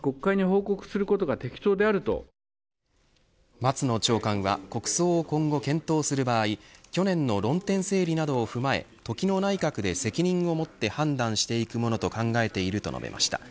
松野長官は国葬を今後、検討する場合去年の論点整理などを踏まえ時の内閣で責任を持って判断していくものと考えていると述べました。